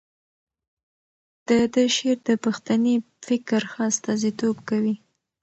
د ده شعر د پښتني فکر ښه استازیتوب کوي.